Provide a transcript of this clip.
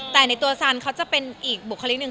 แต่ในตัวสัญลักษณ์เขาจะเป็นอีกบุคลิกนึง